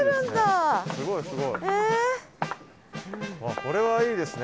これはいいですね。